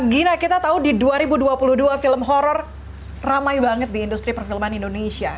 gina kita tahu di dua ribu dua puluh dua film horror ramai banget di industri perfilman indonesia